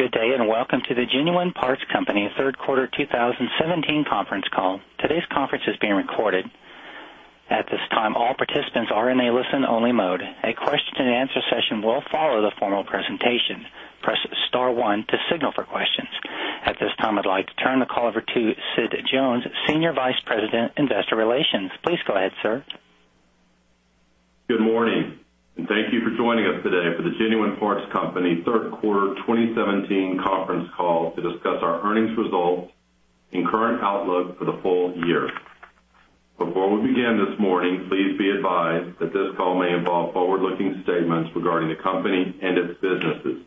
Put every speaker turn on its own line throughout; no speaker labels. Good day, welcome to the Genuine Parts Company third quarter 2017 conference call. Today's conference is being recorded. At this time, all participants are in a listen-only mode. A question-and-answer session will follow the formal presentation. Press star one to signal for questions. At this time, I'd like to turn the call over to Sid Jones, Senior Vice President, Investor Relations. Please go ahead, sir.
Good morning, thank you for joining us today for the Genuine Parts Company third quarter 2017 conference call to discuss our earnings results and current outlook for the full year. Before we begin this morning, please be advised that this call may involve forward-looking statements regarding the company and its businesses.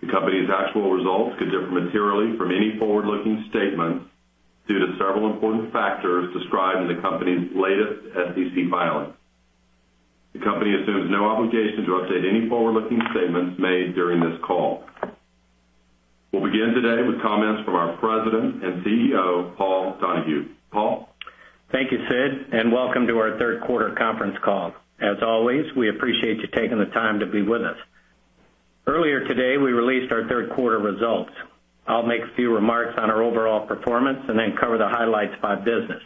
The company's actual results could differ materially from any forward-looking statement due to several important factors described in the company's latest SEC filings. The company assumes no obligation to update any forward-looking statements made during this call. We'll begin today with comments from our President and CEO, Paul Donahue. Paul?
Thank you, Sid, welcome to our third quarter conference call. As always, we appreciate you taking the time to be with us. Earlier today, we released our third quarter results. I'll make a few remarks on our overall performance and then cover the highlights by business.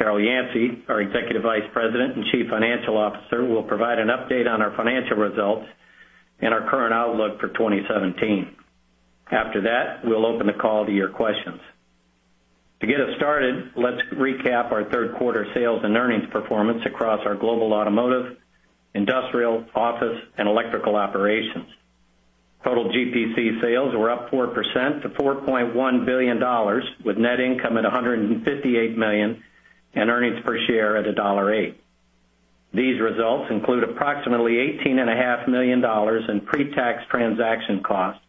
Carol Yancey, our Executive Vice President and Chief Financial Officer, will provide an update on our financial results and our current outlook for 2017. After that, we'll open the call to your questions. To get us started, let's recap our third quarter sales and earnings performance across our global automotive, industrial, office, and electrical operations. Total GPC sales were up 4% to $4.1 billion, with net income at $158 million and earnings per share at $1.08. These results include approximately $18.5 million in pre-tax transaction costs,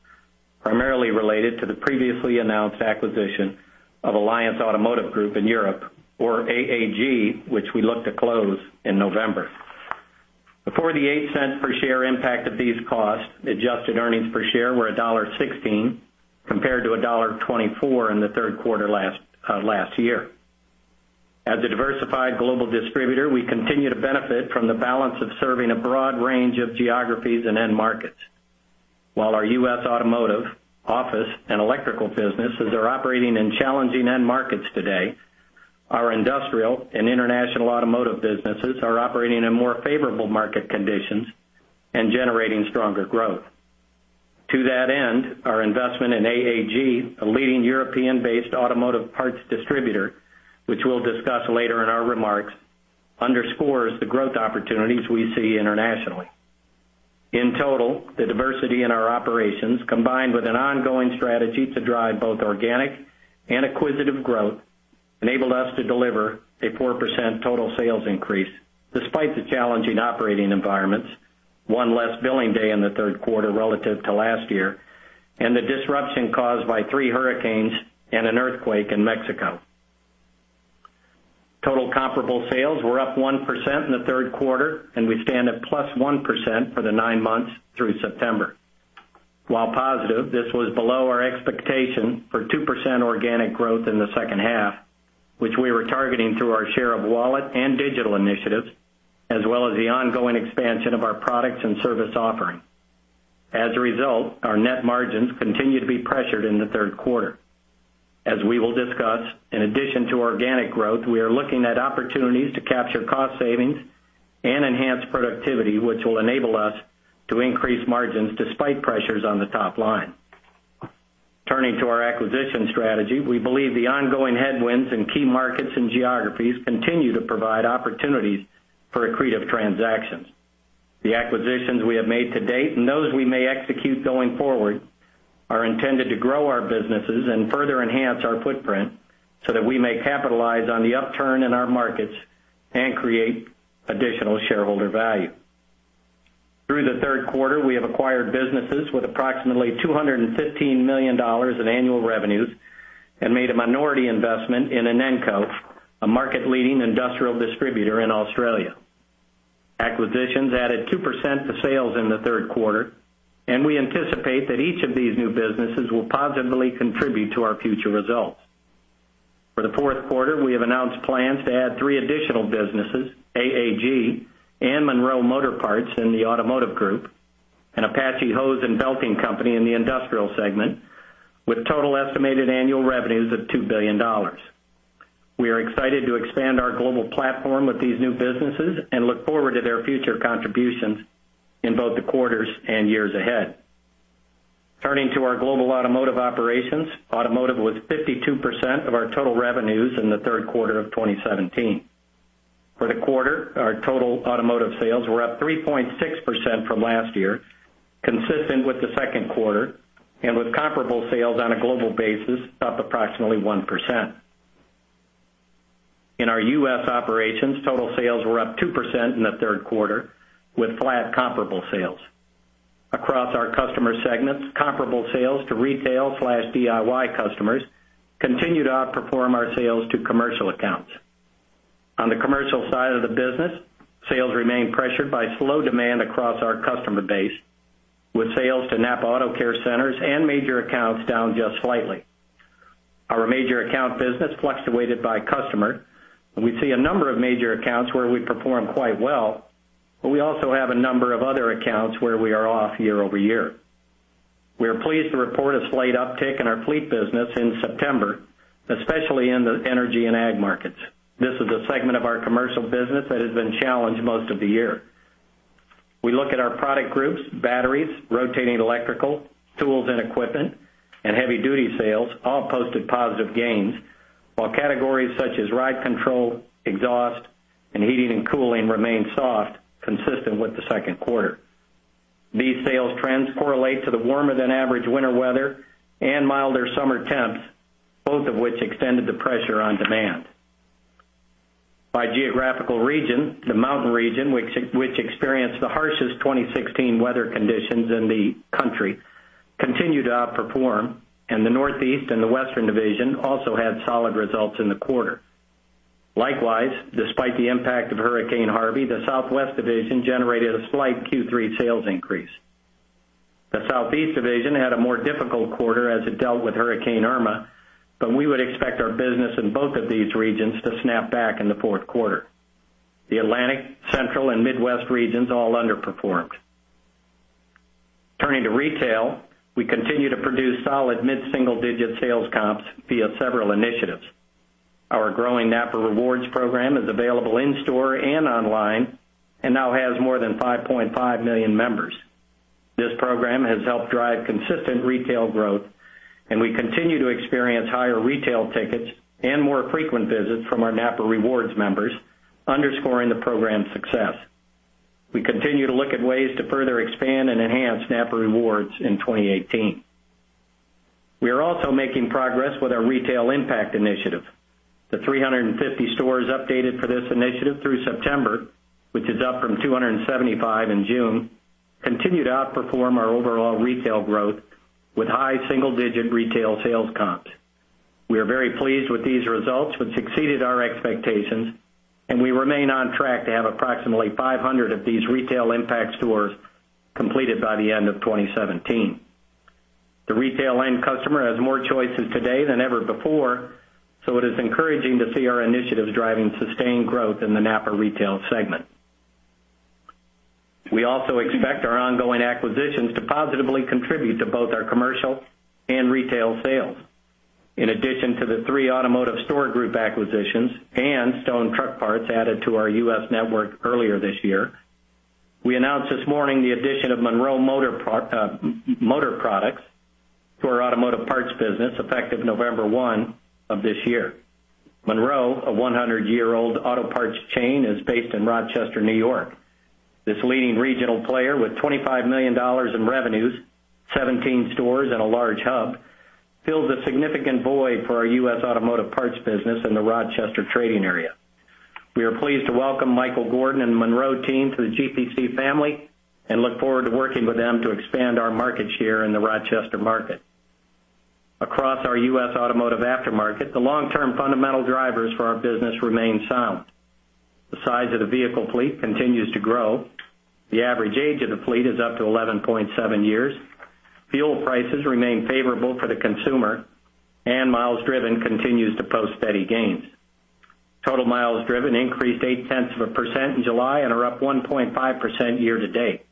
primarily related to the previously announced acquisition of Alliance Automotive Group in Europe, or AAG, which we look to close in November. Before the $0.08 per share impact of these costs, adjusted earnings per share were $1.16, compared to $1.24 in the third quarter last year. As a diversified global distributor, we continue to benefit from the balance of serving a broad range of geographies and end markets. While our U.S. automotive, office, and electrical businesses are operating in challenging end markets today, our industrial and international automotive businesses are operating in more favorable market conditions and generating stronger growth. To that end, our investment in AAG, a leading European-based automotive parts distributor, which we'll discuss later in our remarks, underscores the growth opportunities we see internationally. In total, the diversity in our operations, combined with an ongoing strategy to drive both organic and acquisitive growth, enabled us to deliver a 4% total sales increase despite the challenging operating environments, one less billing day in the third quarter relative to last year, and the disruption caused by three hurricanes and an earthquake in Mexico. Total comparable sales were up 1% in the third quarter, and we stand at plus 1% for the nine months through September. While positive, this was below our expectation for 2% organic growth in the second half, which we were targeting through our share of wallet and digital initiatives, as well as the ongoing expansion of our products and service offering. As a result, our net margins continued to be pressured in the third quarter. As we will discuss, in addition to organic growth, we are looking at opportunities to capture cost savings and enhance productivity, which will enable us to increase margins despite pressures on the top line. Turning to our acquisition strategy, we believe the ongoing headwinds in key markets and geographies continue to provide opportunities for accretive transactions. The acquisitions we have made to date and those we may execute going forward are intended to grow our businesses and further enhance our footprint so that we may capitalize on the upturn in our markets and create additional shareholder value. Through the third quarter, we have acquired businesses with approximately $215 million in annual revenues and made a minority investment in Inenco, a market-leading industrial distributor in Australia. Acquisitions added 2% to sales in the third quarter, and we anticipate that each of these new businesses will positively contribute to our future results. For the fourth quarter, we have announced plans to add three additional businesses, AAG and Monroe Motor Products in the automotive group, and Apache Hose & Belting Company in the industrial segment, with total estimated annual revenues of $2 billion. We are excited to expand our global platform with these new businesses and look forward to their future contributions in both the quarters and years ahead. Turning to our global automotive operations, automotive was 52% of our total revenues in the third quarter of 2017. For the quarter, our total automotive sales were up 3.6% from last year, consistent with the second quarter, and with comparable sales on a global basis up approximately 1%. In our U.S. operations, total sales were up 2% in the third quarter, with flat comparable sales. Across our customer segments, comparable sales to retail/DIY customers continued to outperform our sales to commercial accounts. On the commercial side of the business, sales remained pressured by slow demand across our customer base, with sales to NAPA AutoCare Centers and major accounts down just slightly. Our major account business fluctuated by customer, and we see a number of major accounts where we perform quite well, but we also have a number of other accounts where we are off year-over-year. We are pleased to report a slight uptick in our fleet business in September, especially in the energy and ag markets. This is a segment of our commercial business that has been challenged most of the year. We look at our product groups, batteries, rotating electrical, tools and equipment, and heavy-duty sales all posted positive gains, while categories such as ride control, exhaust, and heating and cooling remain soft, consistent with the second quarter. These sales trends correlate to the warmer-than-average winter weather and milder summer temps, both of which extended the pressure on demand. By geographical region, the Mountain region, which experienced the harshest 2016 weather conditions in the country, continued to outperform, and the Northeast and the Western division also had solid results in the quarter. Likewise, despite the impact of Hurricane Harvey, the Southwest division generated a slight Q3 sales increase. The Southeast division had a more difficult quarter as it dealt with Hurricane Irma, but we would expect our business in both of these regions to snap back in the fourth quarter. The Atlantic, Central, and Midwest regions all underperformed. Turning to retail, we continue to produce solid mid-single-digit sales comps via several initiatives. Our growing NAPA Rewards program is available in-store and online and now has more than 5.5 million members. This program has helped drive consistent retail growth, and we continue to experience higher retail tickets and more frequent visits from our NAPA Rewards members, underscoring the program's success. We continue to look at ways to further expand and enhance NAPA Rewards in 2018. We are also making progress with our retail impact initiative. The 350 stores updated for this initiative through September, which is up from 275 in June, continue to outperform our overall retail growth with high single-digit retail sales comps. We are very pleased with these results, which exceeded our expectations, and we remain on track to have approximately 500 of these retail impact stores completed by the end of 2017. The retail end customer has more choices today than ever before, so it is encouraging to see our initiatives driving sustained growth in the NAPA retail segment. We also expect our ongoing acquisitions to positively contribute to both our commercial and retail sales. In addition to the three automotive store group acquisitions and Stone Truck Parts added to our U.S. network earlier this year, we announced this morning the addition of Monroe Motor Products to our automotive parts business, effective November 1 of this year. Monroe, a 100-year-old auto parts chain, is based in Rochester, N.Y. This leading regional player with $25 million in revenues, 17 stores, and a large hub fills a significant void for our U.S. automotive parts business in the Rochester trading area. We are pleased to welcome Michael Gordon and the Monroe team to the GPC family and look forward to working with them to expand our market share in the Rochester market. Across our U.S. automotive aftermarket, the long-term fundamental drivers for our business remain sound. The size of the vehicle fleet continues to grow. The average age of the fleet is up to 11.7 years. Fuel prices remain favorable for the consumer, and miles driven continues to post steady gains. Total miles driven increased 0.8% in July and are up 1.5% year-to-date.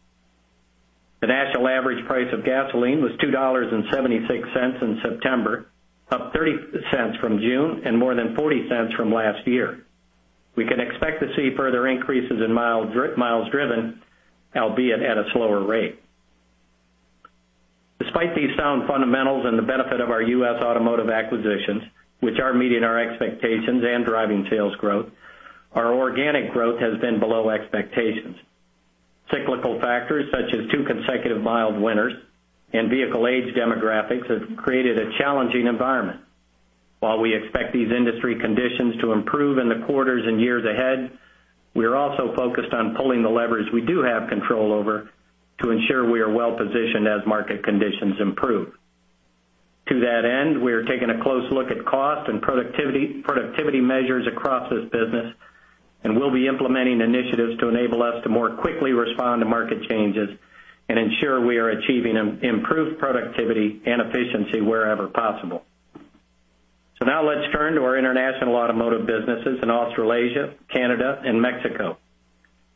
The national average price of gasoline was $2.76 in September, up $0.30 from June and more than $0.40 from last year. We can expect to see further increases in miles driven, albeit at a slower rate. Despite these sound fundamentals and the benefit of our U.S. automotive acquisitions, which are meeting our expectations and driving sales growth, our organic growth has been below expectations. Cyclical factors such as two consecutive mild winters and vehicle age demographics have created a challenging environment. While we expect these industry conditions to improve in the quarters and years ahead, we are also focused on pulling the levers we do have control over to ensure we are well-positioned as market conditions improve. To that end, we are taking a close look at cost and productivity measures across this business, and we'll be implementing initiatives to enable us to more quickly respond to market changes and ensure we are achieving improved productivity and efficiency wherever possible. Now let's turn to our international automotive businesses in Australasia, Canada, and Mexico.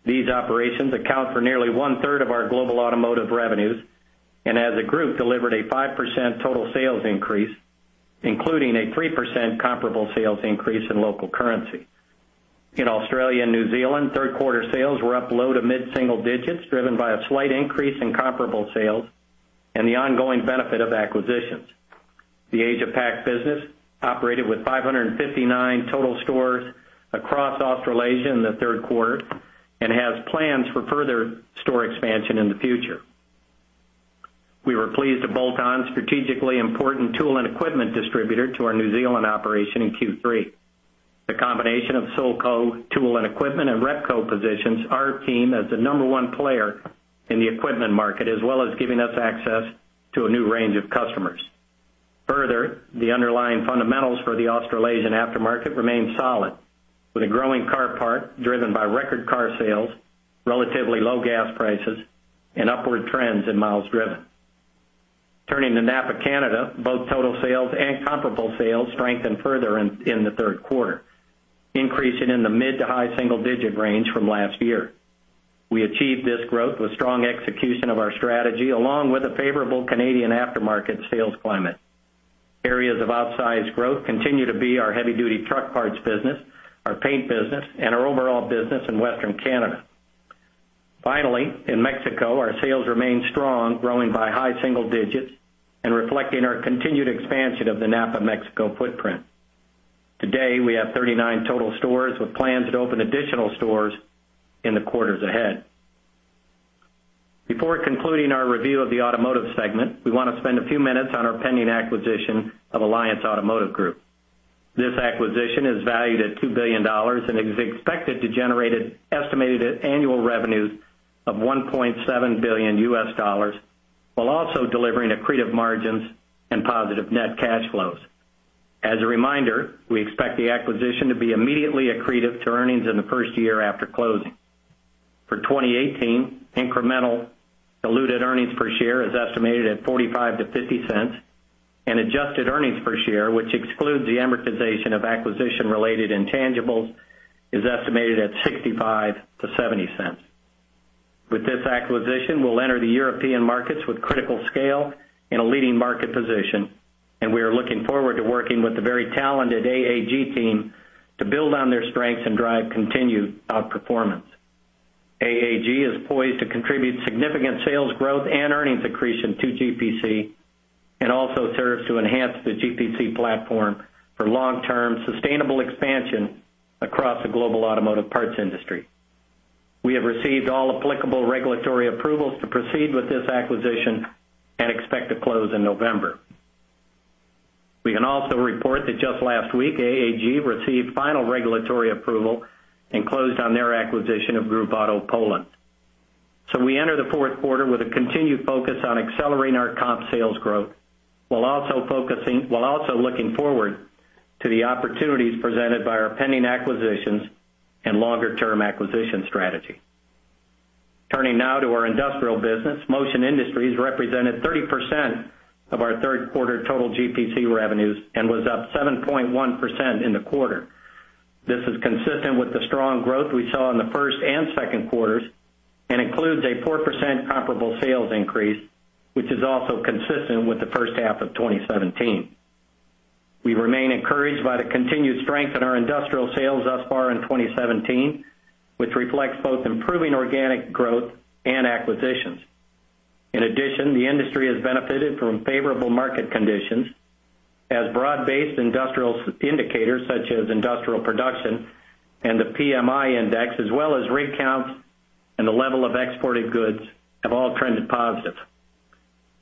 These operations account for nearly one-third of our global automotive revenues and as a group delivered a 5% total sales increase, including a 3% comparable sales increase in local currency. In Australia and New Zealand, third quarter sales were up low to mid-single digits, driven by a slight increase in comparable sales and the ongoing benefit of acquisitions. The Asia Pac business operated with 559 total stores across Australasia in the third quarter and has plans for further store expansion in the future. We were pleased to bolt on a strategically important tool and equipment distributor to our New Zealand operation in Q3. The combination of Sulco Tools & Equipment and Repco positions our team as the number 1 player in the equipment market, as well as giving us access to a new range of customers. Further, the underlying fundamentals for the Australasian aftermarket remain solid. With a growing car parc driven by record car sales, relatively low gas prices, and upward trends in miles driven. Turning to NAPA Canada, both total sales and comparable sales strengthened further in the third quarter, increasing in the mid to high single-digit range from last year. We achieved this growth with strong execution of our strategy, along with a favorable Canadian aftermarket sales climate. Areas of outsized growth continue to be our heavy-duty truck parts business, our paint business, and our overall business in Western Canada. Finally, in Mexico, our sales remained strong, growing by high single digits and reflecting our continued expansion of the NAPA Mexico footprint. To date, we have 39 total stores with plans to open additional stores in the quarters ahead. Before concluding our review of the automotive segment, we want to spend a few minutes on our pending acquisition of Alliance Automotive Group. This acquisition is valued at $2 billion and is expected to generate estimated annual revenues of $1.7 billion while also delivering accretive margins and positive net cash flows. As a reminder, we expect the acquisition to be immediately accretive to earnings in the first year after closing. For 2018, incremental diluted earnings per share is estimated at $0.45-$0.50, and adjusted earnings per share, which excludes the amortization of acquisition-related intangibles, is estimated at $0.65-$0.70. With this acquisition, we'll enter the European markets with critical scale and a leading market position, and we are looking forward to working with the very talented AAG team to build on their strengths and drive continued outperformance. AAG is poised to contribute significant sales growth and earnings accretion to GPC and also serves to enhance the GPC platform for long-term sustainable expansion across the global automotive parts industry. We have received all applicable regulatory approvals to proceed with this acquisition and expect to close in November. We can also report that just last week, AAG received final regulatory approval and closed on their acquisition of Groupauto Polska. We enter the fourth quarter with a continued focus on accelerating our comp sales growth while also looking forward to the opportunities presented by our pending acquisitions and longer-term acquisition strategy. Turning now to our industrial business, Motion Industries represented 30% of our third quarter total GPC revenues and was up 7.1% in the quarter. This is consistent with the strong growth we saw in the first and second quarters and includes a 4% comparable sales increase, which is also consistent with the first half of 2017. We remain encouraged by the continued strength in our industrial sales thus far in 2017, which reflects both improving organic growth and acquisitions. In addition, the industry has benefited from favorable market conditions as broad-based industrial indicators such as industrial production and the PMI index, as well as rig counts and the level of exported goods, have all trended positive.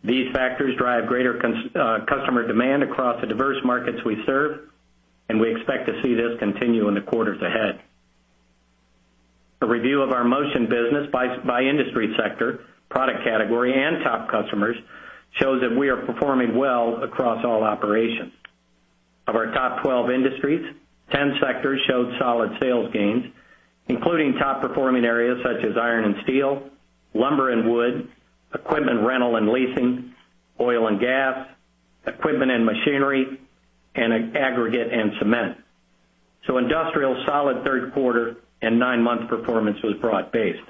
These factors drive greater customer demand across the diverse markets we serve, and we expect to see this continue in the quarters ahead. A review of our Motion business by industry sector, product category, and top customers shows that we are performing well across all operations. Of our top 12 industries, 10 sectors showed solid sales gains, including top-performing areas such as iron and steel, lumber and wood, equipment rental and leasing, oil and gas, equipment and machinery, and aggregate and cement. Industrial solid third quarter and nine-month performance was broad-based.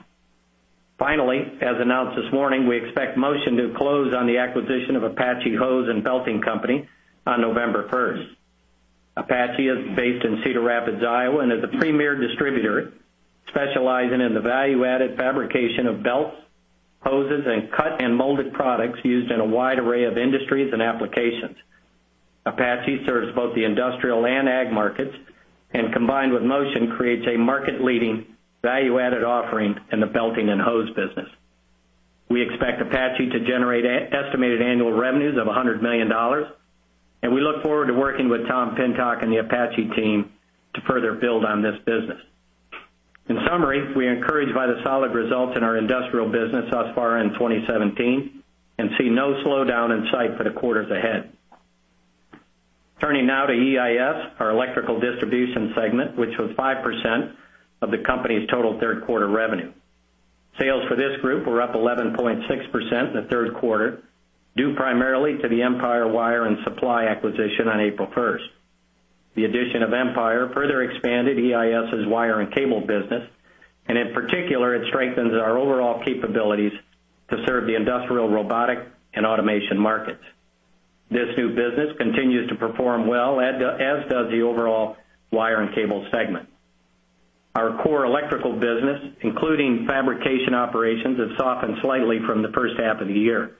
Finally, as announced this morning, we expect Motion to close on the acquisition of Apache Hose & Belting Company on November 1st. Apache is based in Cedar Rapids, Iowa, and is a premier distributor specializing in the value-added fabrication of belts, hoses, and cut and molded products used in a wide array of industries and applications. Apache serves both the industrial and ag markets and, combined with Motion, creates a market-leading value-added offering in the belting and hose business. We expect Apache to generate estimated annual revenues of $100 million, and we look forward to working with Tom Pientok and the Apache team to further build on this business. In summary, we are encouraged by the solid results in our industrial business thus far in 2017 and see no slowdown in sight for the quarters ahead. Turning now to EIS, our electrical distribution segment, which was 5% of the company's total third quarter revenue. Sales for this group were up 11.6% in the third quarter, due primarily to the Empire Wire and Supply acquisition on April 1st. The addition of Empire further expanded EIS's wire and cable business, and in particular, it strengthens our overall capabilities to serve the industrial, robotic, and automation markets. This new business continues to perform well, as does the overall wire and cable segment. Our core electrical business, including fabrication operations, have softened slightly from the first half of the year.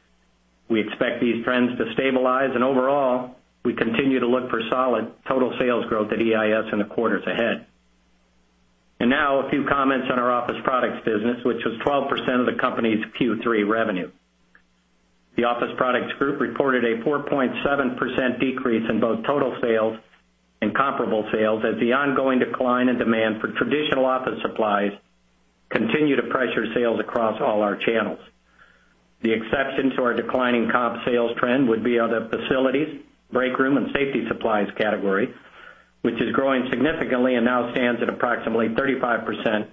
We expect these trends to stabilize, and overall, we continue to look for solid total sales growth at EIS in the quarters ahead. Now a few comments on our office products business, which was 12% of the company's Q3 revenue. The Office Products Group reported a 4.7% decrease in both total sales and comparable sales as the ongoing decline in demand for traditional office supplies continue to pressure sales across all our channels. The exception to our declining comp sales trend would be on the facilities, breakroom, and safety supplies category, which is growing significantly and now stands at approximately 35%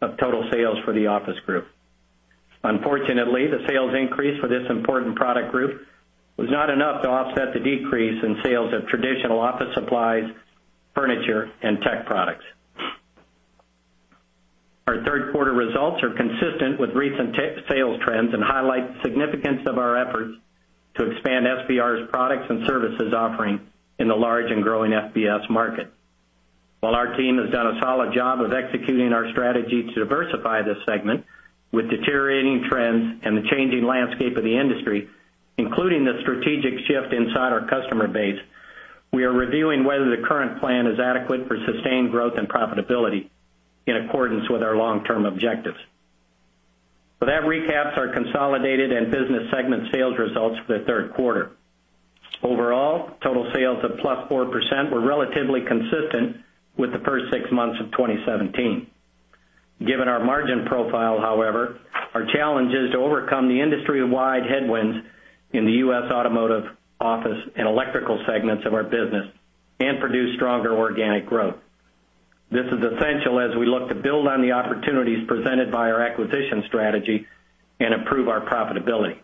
of total sales for the Office Group. Unfortunately, the sales increase for this important product group was not enough to offset the decrease in sales of traditional office supplies, furniture, and tech products. Our third quarter results are consistent with recent sales trends and highlight the significance of our efforts to expand S.P. Richards' products and services offering in the large and growing FBS market. While our team has done a solid job of executing our strategy to diversify this segment with deteriorating trends and the changing landscape of the industry, including the strategic shift inside our customer base, we are reviewing whether the current plan is adequate for sustained growth and profitability in accordance with our long-term objectives. That recaps our consolidated and business segment sales results for the third quarter. Overall, total sales of plus 4% were relatively consistent with the first six months of 2017. Given our margin profile, however, our challenge is to overcome the industry-wide headwinds in the U.S. Automotive, Office, and Electrical segments of our business and produce stronger organic growth. This is essential as we look to build on the opportunities presented by our acquisition strategy and improve our profitability.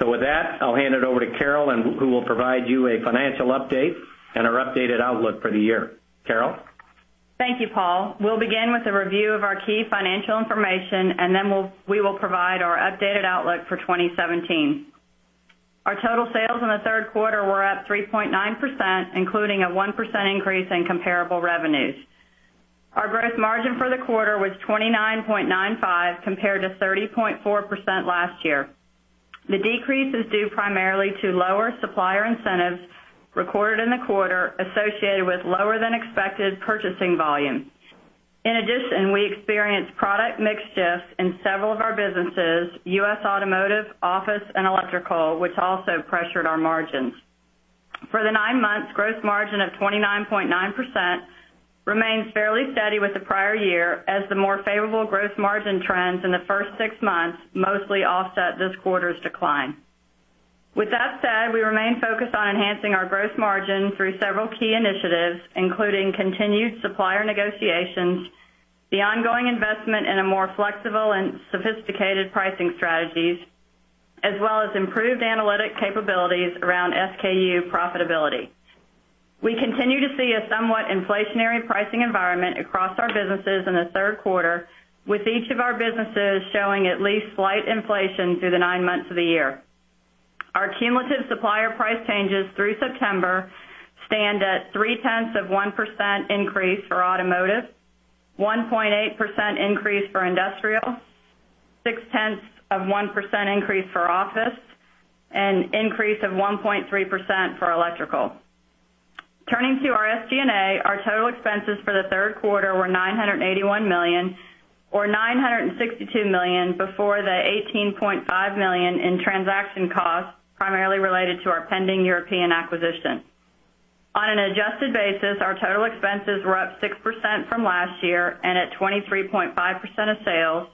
With that, I'll hand it over to Carol who will provide you a financial update and our updated outlook for the year. Carol?
Thank you, Paul. We'll begin with a review of our key financial information, and then we will provide our updated outlook for 2017. Our total sales in the third quarter were up 3.9%, including a 1% increase in comparable revenues. Our gross margin for the quarter was 29.95%, compared to 30.4% last year. The decrease is due primarily to lower supplier incentives recorded in the quarter associated with lower than expected purchasing volume. In addition, we experienced product mix shifts in several of our businesses, U.S. Automotive, Office, and Electrical, which also pressured our margins. For the nine months, gross margin of 29.9% remains fairly steady with the prior year as the more favorable gross margin trends in the first six months mostly offset this quarter's decline. With that said, we remain focused on enhancing our gross margin through several key initiatives, including continued supplier negotiations, the ongoing investment in a more flexible and sophisticated pricing strategies, as well as improved analytic capabilities around SKU profitability. We continue to see a somewhat inflationary pricing environment across our businesses in the third quarter, with each of our businesses showing at least slight inflation through the nine months of the year. Our cumulative supplier price changes through September stand at three-tenths of 1% increase for Automotive, 1.8% increase for Industrial, six-tenths of 1% increase for Office, and increase of 1.3% for Electrical. Turning to our SG&A, our total expenses for the third quarter were $981 million or $962 million before the $18.5 million in transaction costs, primarily related to our pending European acquisition. On an adjusted basis, our total expenses were up 6% from last year and at 23.5% of sales.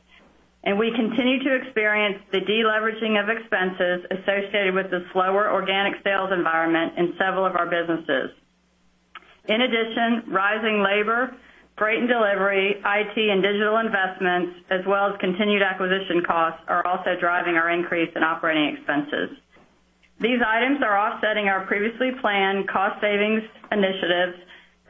We continue to experience the deleveraging of expenses associated with the slower organic sales environment in several of our businesses. In addition, rising labor, freight and delivery, IT and digital investments, as well as continued acquisition costs are also driving our increase in operating expenses. These items are offsetting our previously planned cost savings initiatives,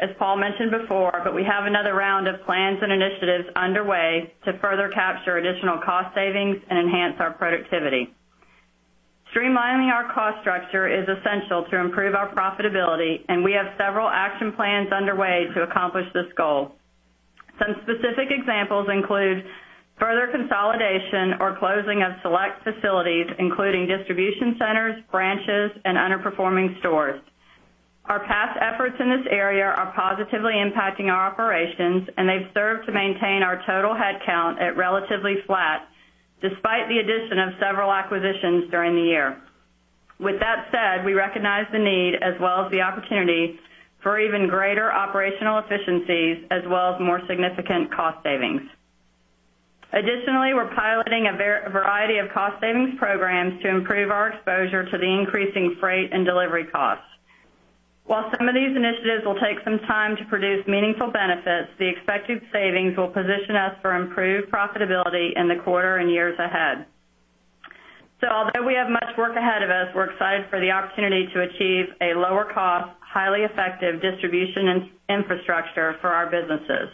as Paul mentioned before. We have another round of plans and initiatives underway to further capture additional cost savings and enhance our productivity. Streamlining our cost structure is essential to improve our profitability, and we have several action plans underway to accomplish this goal. Some specific examples include further consolidation or closing of select facilities, including distribution centers, branches, and underperforming stores. Our past efforts in this area are positively impacting our operations. They've served to maintain our total headcount at relatively flat, despite the addition of several acquisitions during the year. With that said, we recognize the need as well as the opportunity for even greater operational efficiencies as well as more significant cost savings. Additionally, we're piloting a variety of cost savings programs to improve our exposure to the increasing freight and delivery costs. While some of these initiatives will take some time to produce meaningful benefits, the expected savings will position us for improved profitability in the quarter and years ahead. Although we have much work ahead of us, we're excited for the opportunity to achieve a lower cost, highly effective distribution infrastructure for our businesses.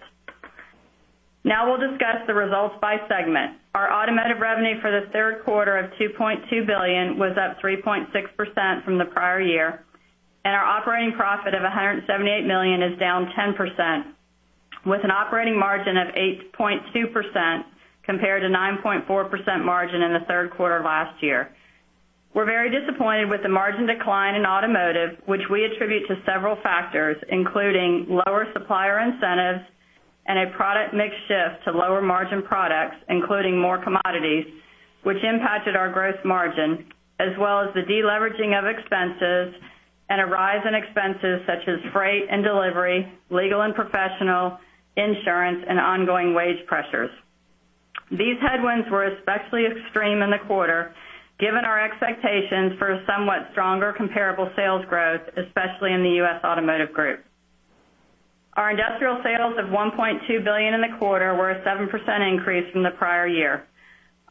We'll discuss the results by segment. Our Automotive revenue for the third quarter of $2.2 billion was up 3.6% from the prior year. Our operating profit of $178 million is down 10%, with an operating margin of 8.2% compared to 9.4% margin in the third quarter of last year. We're very disappointed with the margin decline in Automotive, which we attribute to several factors, including lower supplier incentives and a product mix shift to lower margin products, including more commodities, which impacted our gross margin, as well as the deleveraging of expenses and a rise in expenses such as freight and delivery, legal and professional, insurance, and ongoing wage pressures. These headwinds were especially extreme in the quarter, given our expectations for a somewhat stronger comparable sales growth, especially in the U.S. Automotive Group. Our industrial sales of $1.2 billion in the quarter were a 7% increase from the prior year.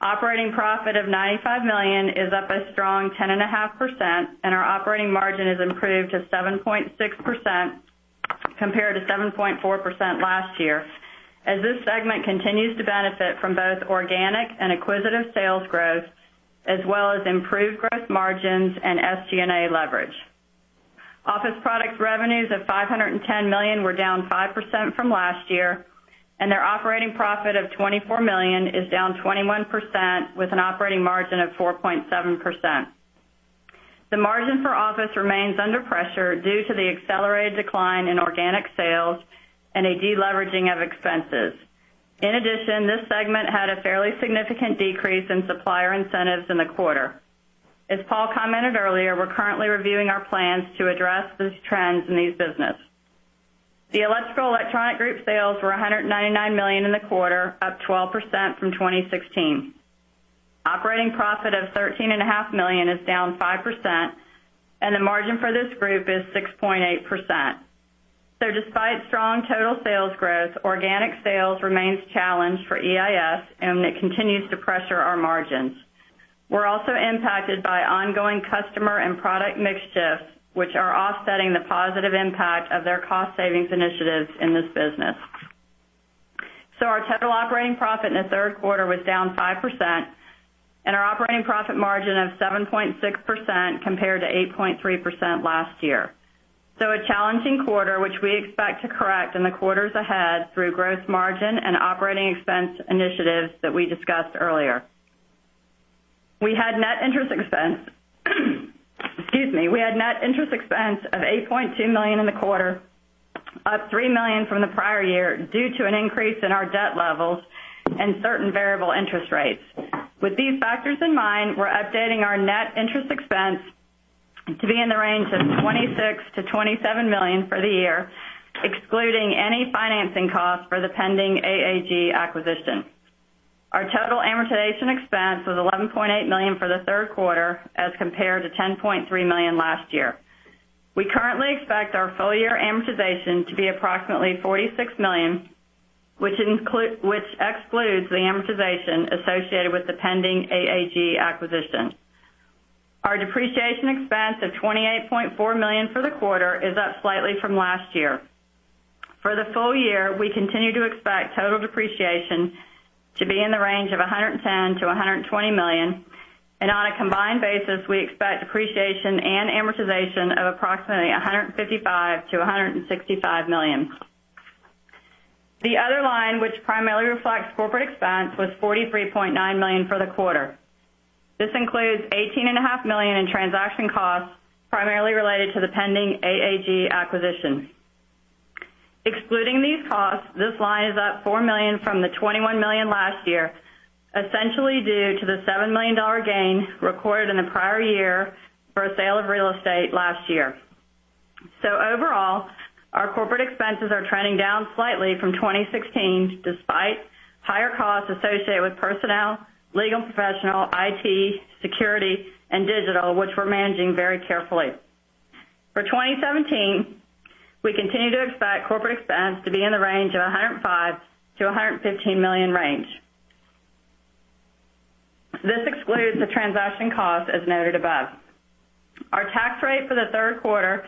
Operating profit of $95 million is up a strong 10.5%, our operating margin has improved to 7.6% compared to 7.4% last year, as this segment continues to benefit from both organic and acquisitive sales growth, as well as improved growth margins and SG&A leverage. Office products revenues of $510 million were down 5% from last year, their operating profit of $24 million is down 21%, with an operating margin of 4.7%. The margin for office remains under pressure due to the accelerated decline in organic sales and a deleveraging of expenses. In addition, this segment had a fairly significant decrease in supplier incentives in the quarter. As Paul commented earlier, we're currently reviewing our plans to address these trends in these business. The Electrical & Electronic Group sales were $199 million in the quarter, up 12% from 2016. Operating profit of $13.5 million is down 5%, the margin for this group is 6.8%. Despite strong total sales growth, organic sales remains challenged for EIS, it continues to pressure our margins. We're also impacted by ongoing customer and product mix shifts, which are offsetting the positive impact of their cost savings initiatives in this business. Our total operating profit in the third quarter was down 5%, our operating profit margin of 7.6% compared to 8.3% last year. A challenging quarter, which we expect to correct in the quarters ahead through gross margin and operating expense initiatives that we discussed earlier. We had net interest expense of $8.2 million in the quarter, up $3 million from the prior year due to an increase in our debt levels and certain variable interest rates. With these factors in mind, we're updating our net interest expense to be in the range of $26 million-$27 million for the year, excluding any financing costs for the pending AAG acquisition. Our total amortization expense was $11.8 million for the third quarter as compared to $10.3 million last year. We currently expect our full year amortization to be approximately $46 million, which excludes the amortization associated with the pending AAG acquisition. Our depreciation expense of $28.4 million for the quarter is up slightly from last year. For the full year, we continue to expect total depreciation to be in the range of $110 million-$120 million, and on a combined basis, we expect depreciation and amortization of approximately $155 million-$165 million. The other line, which primarily reflects corporate expense, was $43.9 million for the quarter. This includes $18.5 million in transaction costs, primarily related to the pending AAG acquisition. Excluding these costs, this line is up $4 million from the $21 million last year, essentially due to the $7 million gain recorded in the prior year for a sale of real estate last year. Overall, our corporate expenses are trending down slightly from 2016, despite higher costs associated with personnel, legal and professional, IT, security, and digital, which we're managing very carefully. For 2017, we continue to expect corporate expense to be in the range of $105 million-$115 million range. This excludes the transaction cost as noted above. Our tax rate for the third quarter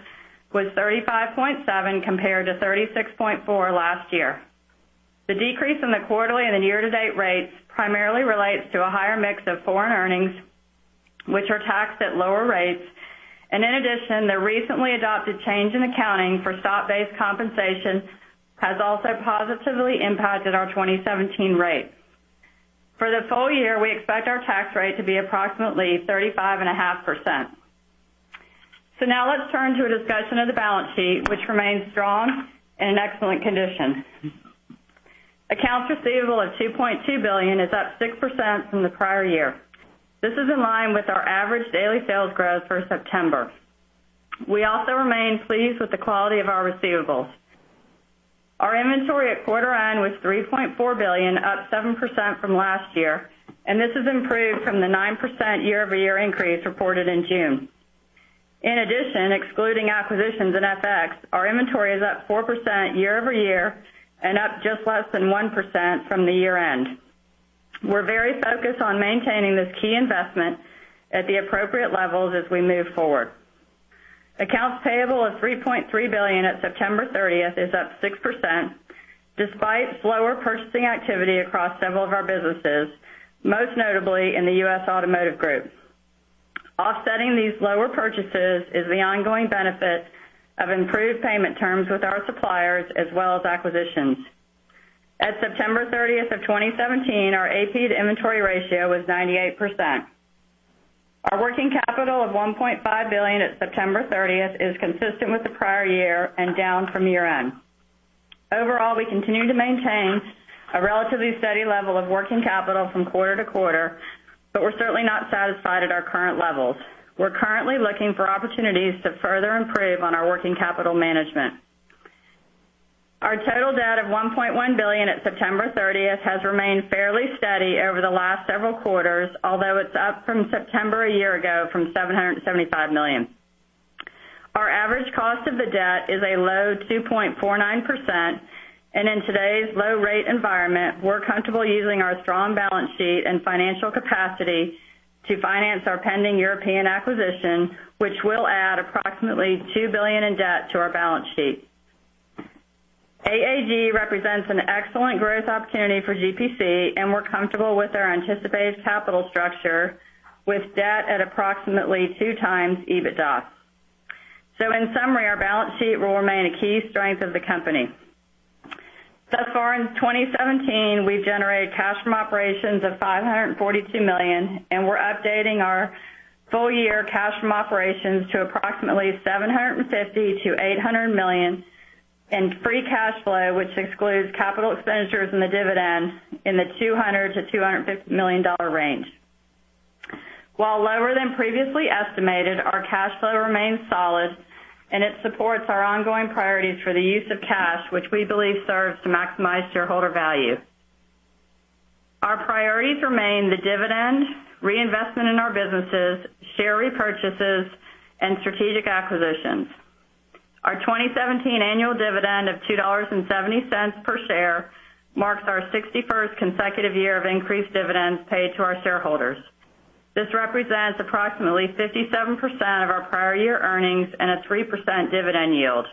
was 35.7%, compared to 36.4% last year. The decrease in the quarterly and the year-to-date rates primarily relates to a higher mix of foreign earnings, which are taxed at lower rates. In addition, the recently adopted change in accounting for stock-based compensation has also positively impacted our 2017 rates. For the full year, we expect our tax rate to be approximately 35.5%. Now let's turn to a discussion of the balance sheet, which remains strong in excellent condition. Accounts receivable of $2.2 billion is up 6% from the prior year. This is in line with our average daily sales growth for September. We also remain pleased with the quality of our receivables. Our inventory at quarter-end was $3.4 billion, up 7% from last year, and this has improved from the 9% year-over-year increase reported in June. In addition, excluding acquisitions in FX, our inventory is up 4% year-over-year and up just less than 1% from the year-end. We're very focused on maintaining this key investment at the appropriate levels as we move forward. Accounts payable of $3.3 billion at September 30th is up 6%, despite slower purchasing activity across several of our businesses, most notably in the U.S. Automotive Group. Offsetting these lower purchases is the ongoing benefit of improved payment terms with our suppliers as well as acquisitions. At September 30th of 2017, our AP to inventory ratio was 98%. Our working capital of $1.5 billion at September 30th is consistent with the prior year and down from year-end. Overall, we continue to maintain a relatively steady level of working capital from quarter-to-quarter, but we're certainly not satisfied at our current levels. We're currently looking for opportunities to further improve on our working capital management. Our total debt of $1.1 billion at September 30th has remained fairly steady over the last several quarters, although it's up from September a year ago from $775 million. Our average cost of the debt is a low 2.49%, and in today's low rate environment, we're comfortable using our strong balance sheet and financial capacity to finance our pending European acquisition, which will add approximately $2 billion in debt to our balance sheet. AAG represents an excellent growth opportunity for GPC, and we're comfortable with our anticipated capital structure with debt at approximately 2 times EBITDA. In summary, our balance sheet will remain a key strength of the company. Thus far in 2017, we've generated cash from operations of $542 million, and we're updating our full year cash from operations to approximately $750 million-$800 million in free cash flow, which excludes capital expenditures and the dividends in the $200 million-$250 million range. While lower than previously estimated, our cash flow remains solid, and it supports our ongoing priorities for the use of cash, which we believe serves to maximize shareholder value. Our priorities remain the dividend, reinvestment in our businesses, share repurchases, and strategic acquisitions. Our 2017 annual dividend of $2.70 per share marks our 61st consecutive year of increased dividends paid to our shareholders. This represents approximately 57% of our prior year earnings and a 3% dividend yield.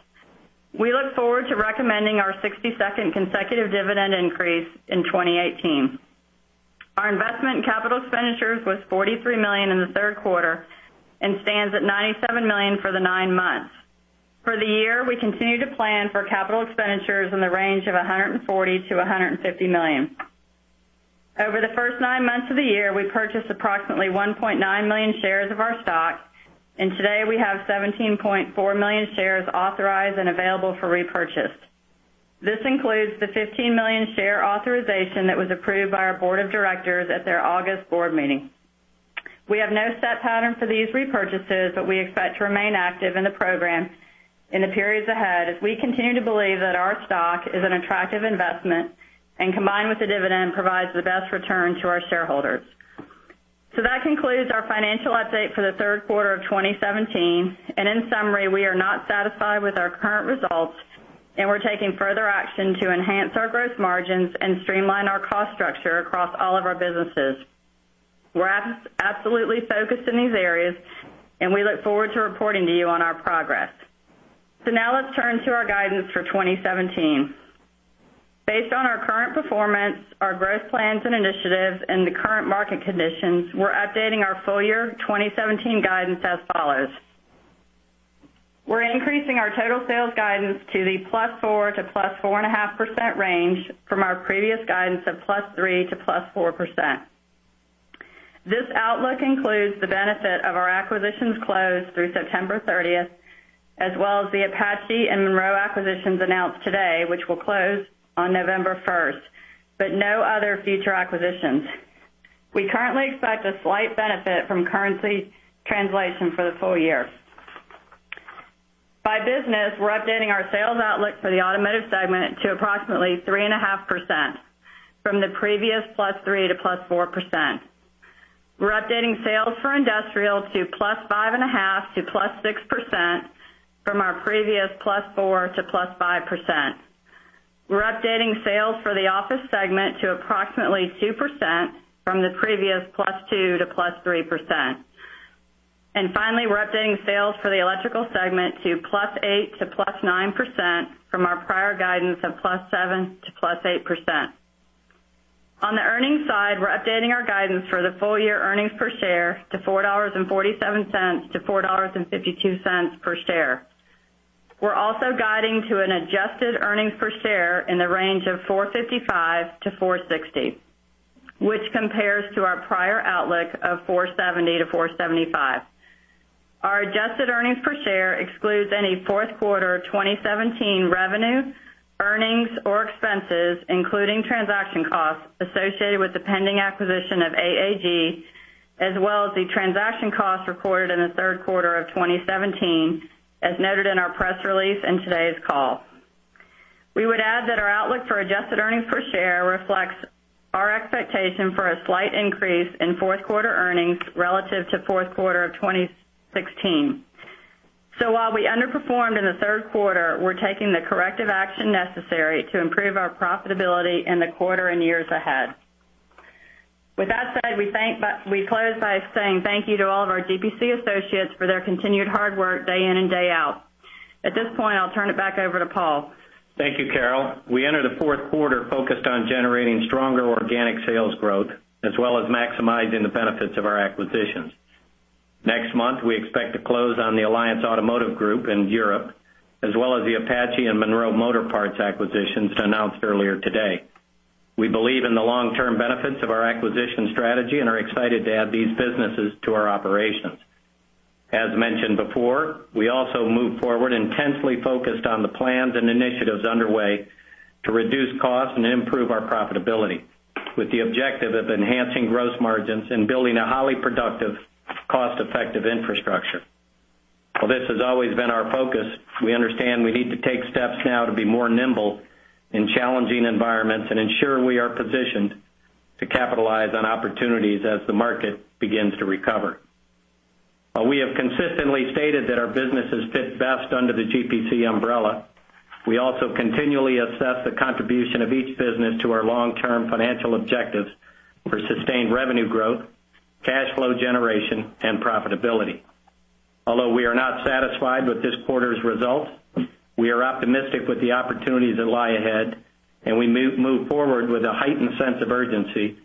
We look forward to recommending our 62nd consecutive dividend increase in 2018. Our investment in capital expenditures was $43 million in the third quarter and stands at $97 million for the nine months. For the year, we continue to plan for capital expenditures in the range of $140 million-$150 million. Over the first nine months of the year, we purchased approximately 1.9 million shares of our stock, today we have 17.4 million shares authorized and available for repurchase. This includes the 15 million share authorization that was approved by our board of directors at their August board meeting. We have no set pattern for these repurchases, but we expect to remain active in the program in the periods ahead as we continue to believe that our stock is an attractive investment, and combined with the dividend, provides the best return to our shareholders. That concludes our financial update for the third quarter of 2017. In summary, we are not satisfied with our current results, we're taking further action to enhance our gross margins and streamline our cost structure across all of our businesses. We're absolutely focused in these areas, we look forward to reporting to you on our progress. Now let's turn to our guidance for 2017. Based on our current performance, our growth plans and initiatives, and the current market conditions, we're updating our full year 2017 guidance as follows. We're increasing our total sales guidance to the +4% to +4.5% range from our previous guidance of +3% to +4%. This outlook includes the benefit of our acquisitions closed through September 30th, as well as the Apache and Monroe acquisitions announced today, which will close on November 1st, but no other future acquisitions. We currently expect a slight benefit from currency translation for the full year. By business, we're updating our sales outlook for the automotive segment to approximately 3.5% from the previous +3% to +4%. We're updating sales for industrial to +5.5% to +6% from our previous +4% to +5%. We're updating sales for the office segment to approximately 2% from the previous +2% to +3%. Finally, we're updating sales for the electrical segment to +8% to +9% from our prior guidance of +7% to +8%. On the earnings side, we're updating our guidance for the full year earnings per share to $4.47 to $4.52 per share. We're also guiding to an adjusted earnings per share in the range of $4.55 to $4.60, which compares to our prior outlook of $4.70 to $4.75. Our adjusted earnings per share excludes any fourth quarter 2017 revenue, earnings, or expenses, including transaction costs associated with the pending acquisition of AAG, as well as the transaction costs recorded in the third quarter of 2017, as noted in our press release in today's call. We would add that our outlook for adjusted earnings per share reflects our expectation for a slight increase in fourth quarter earnings relative to fourth quarter of 2016. While we underperformed in the third quarter, we're taking the corrective action necessary to improve our profitability in the quarter and years ahead. With that said, we close by saying thank you to all of our GPC associates for their continued hard work day in and day out. At this point, I'll turn it back over to Paul.
Thank you, Carol. We enter the fourth quarter focused on generating stronger organic sales growth, as well as maximizing the benefits of our acquisitions. Next month, we expect to close on the Alliance Automotive Group in Europe, as well as the Apache and Monroe Motor Products acquisitions announced earlier today. We believe in the long-term benefits of our acquisition strategy and are excited to add these businesses to our operations. As mentioned before, we also moved forward intensely focused on the plans and initiatives underway to reduce costs and improve our profitability, with the objective of enhancing gross margins and building a highly productive, cost-effective infrastructure. While this has always been our focus, we understand we need to take steps now to be more nimble in challenging environments and ensure we are positioned to capitalize on opportunities as the market begins to recover. While we have consistently stated that our businesses fit best under the GPC umbrella, we also continually assess the contribution of each business to our long-term financial objectives for sustained revenue growth, cash flow generation, and profitability. Although we are not satisfied with this quarter's results, we are optimistic with the opportunities that lie ahead. We move forward with a heightened sense of urgency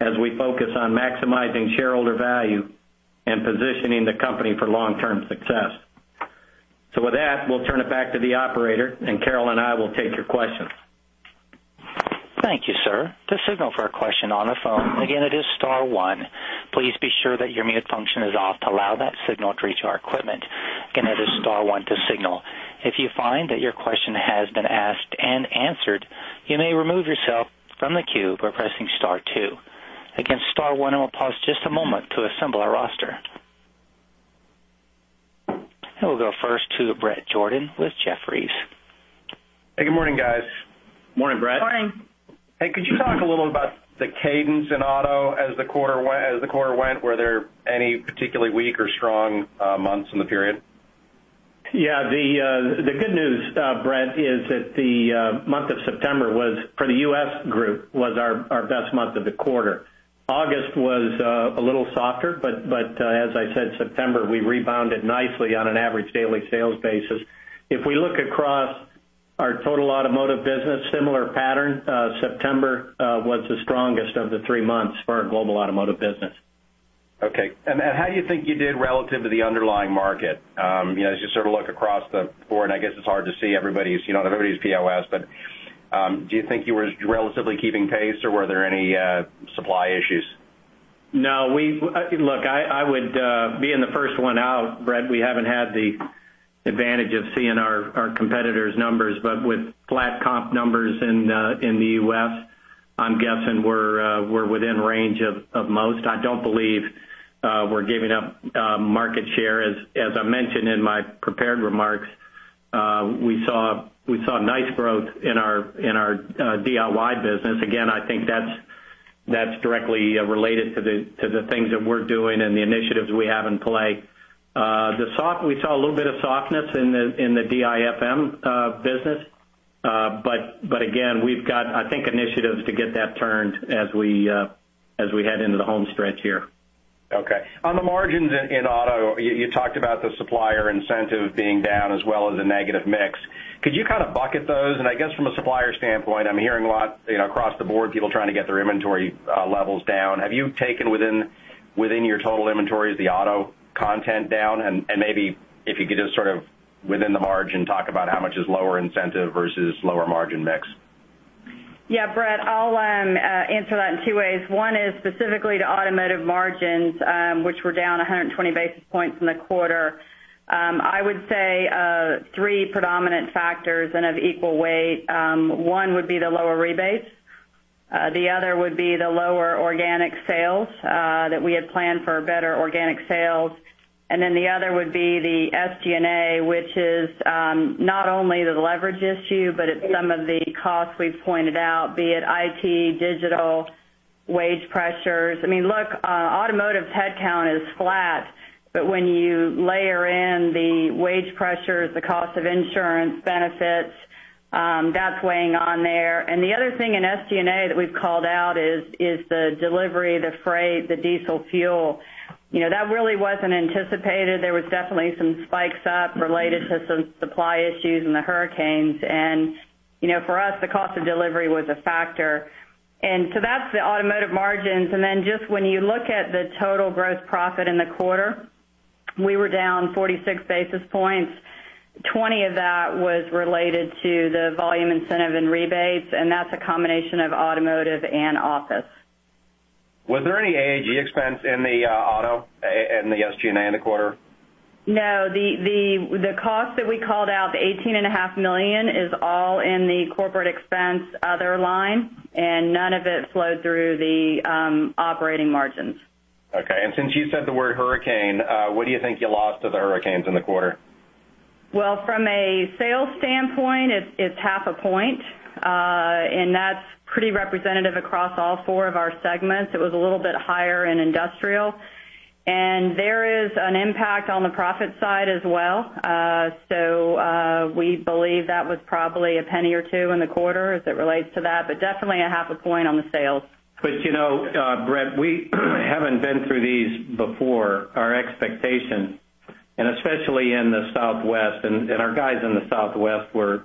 as we focus on maximizing shareholder value and positioning the company for long-term success. With that, we'll turn it back to the operator, Carol and I will take your questions.
Thank you, sir. To signal for a question on the phone, again, it is star one. Please be sure that your mute function is off to allow that signal to reach our equipment. Again, it is star one to signal. If you find that your question has been asked and answered, you may remove yourself from the queue by pressing star two. Again, star one. I will pause just a moment to assemble our roster. We'll go first to Bret Jordan with Jefferies.
Hey, good morning, guys.
Morning, Bret.
Morning.
Hey, could you talk a little about the cadence in auto as the quarter went? Were there any particularly weak or strong months in the period?
Yeah. The good news, Bret, is that the month of September, for the U.S. group, was our best month of the quarter. August was a little softer. As I said, September, we rebounded nicely on an average daily sales basis. If we look across our total automotive business, similar pattern. September was the strongest of the three months for our global automotive business.
Okay. How do you think you did relative to the underlying market? As you look across the board, I guess it's hard to see everybody's POS. Do you think you were relatively keeping pace, or were there any supply issues?
No. Look, I would be in the first one out, Bret. We haven't had the advantage of seeing our competitors' numbers. With flat comp numbers in the U.S., I'm guessing we're within range of most. I don't believe we're giving up market share. As I mentioned in my prepared remarks, we saw nice growth in our DIY business. Again, I think that's directly related to the things that we're doing and the initiatives we have in play. We saw a little bit of softness in the DIFM business. Again, we've got, I think, initiatives to get that turned as we head into the home stretch here.
Okay. On the margins in auto, you talked about the supplier incentive being down as well as the negative mix. Could you kind of bucket those? I guess from a supplier standpoint, I'm hearing a lot across the board, people trying to get their inventory levels down. Have you taken within your total inventories, the auto content down? Maybe if you could just sort of within the margin, talk about how much is lower incentive versus lower margin mix.
Yeah, Bret, I'll answer that in two ways. One is specifically to automotive margins, which were down 120 basis points in the quarter. I would say three predominant factors and of equal weight. One would be the lower rebates. The other would be the lower organic sales, that we had planned for better organic sales. The other would be the SG&A, which is not only the leverage issue, it's some of the costs we've pointed out, be it IT, digital, wage pressures. Look, automotive's headcount is flat, when you layer in the wage pressures, the cost of insurance benefits, that's weighing on there. The other thing in SG&A that we've called out is the delivery, the freight, the diesel fuel. That really wasn't anticipated. There was definitely some spikes up related to some supply issues and the hurricanes. For us, the cost of delivery was a factor. That's the automotive margins. Just when you look at the total gross profit in the quarter, we were down 46 basis points. 20 of that was related to the volume incentive and rebates, that's a combination of automotive and office.
Was there any AAG expense in the auto in the SG&A in the quarter?
No. The cost that we called out, the $18.5 million, is all in the corporate expense other line, None of it flowed through the operating margins.
Okay. Since you said the word hurricane, what do you think you lost to the hurricanes in the quarter?
Well, from a sales standpoint, it's half a point. That's pretty representative across all four of our segments. It was a little bit higher in industrial. There is an impact on the profit side as well. We believe that was probably $0.01 or $0.02 in the quarter as it relates to that, but definitely a half a point on the sales.
Bret, we haven't been through these before. Our expectation, especially in the Southwest, and our guys in the Southwest were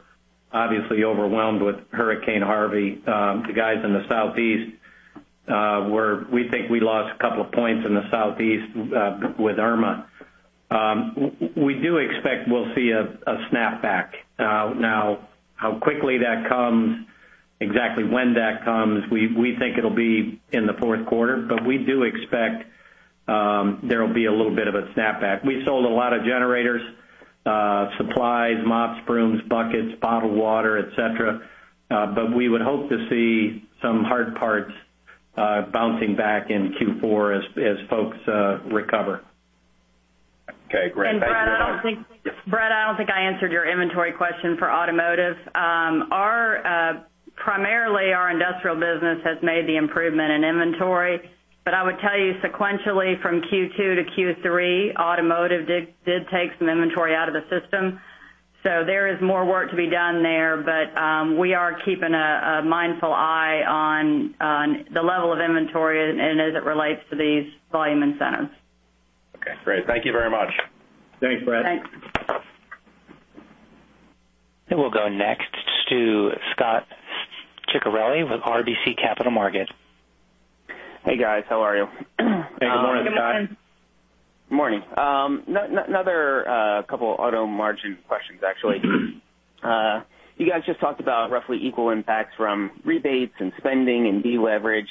obviously overwhelmed with Hurricane Harvey. The guys in the Southeast, we think we lost a couple of points in the Southeast with Irma. We do expect we'll see a snapback. How quickly that comes. Exactly when that comes, we think it'll be in the fourth quarter. We do expect there will be a little bit of a snapback. We sold a lot of generators, supplies, mops, brooms, buckets, bottled water, et cetera, but we would hope to see some hard parts bouncing back in Q4 as folks recover.
Okay, great. Thank you.
Bret, I don't think I answered your inventory question for automotive. Primarily, our industrial business has made the improvement in inventory. I would tell you sequentially from Q2 to Q3, automotive did take some inventory out of the system. There is more work to be done there. We are keeping a mindful eye on the level of inventory and as it relates to these volume incentives.
Okay, great. Thank you very much.
Thanks, Bret.
Thanks.
We'll go next to Scot Ciccarelli with RBC Capital Markets.
Hey, guys. How are you?
Hey, good morning, Scot.
Good morning.
Morning. Another couple auto margin questions, actually. You guys just talked about roughly equal impacts from rebates and spending and deleverage.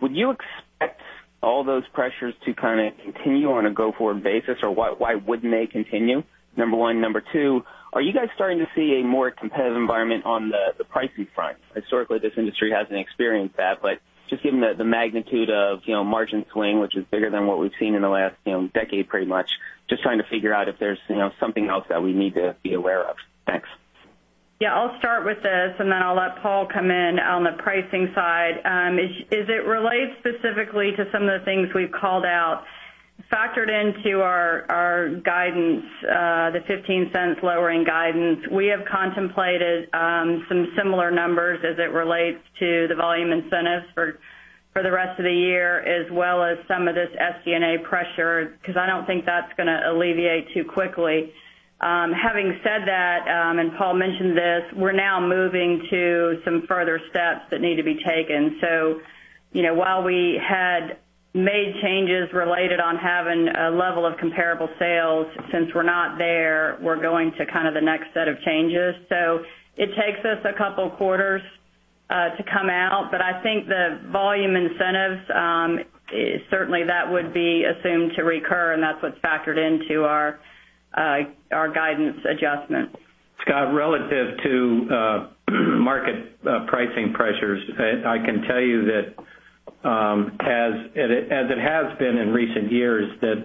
Would you expect all those pressures to kind of continue on a go-forward basis, or why wouldn't they continue? Number one. Number 2, are you guys starting to see a more competitive environment on the pricing front? Historically, this industry hasn't experienced that, but just given the magnitude of margin swing, which is bigger than what we've seen in the last decade pretty much, just trying to figure out if there's something else that we need to be aware of. Thanks.
Yeah, I'll start with this, and then I'll let Paul come in on the pricing side. As it relates specifically to some of the things we've called out, factored into our guidance, the $0.15 lower in guidance, we have contemplated some similar numbers as it relates to the volume incentives for the rest of the year, as well as some of this SG&A pressure, because I don't think that's going to alleviate too quickly. Having said that, and Paul mentioned this, we're now moving to some further steps that need to be taken. While we had made changes related on having a level of comparable sales, since we're not there, we're going to kind of the next set of changes. It takes us a couple quarters to come out, but I think the volume incentives, certainly that would be assumed to recur, and that's what's factored into our guidance adjustment.
Scot, relative to market pricing pressures, I can tell you that as it has been in recent years, that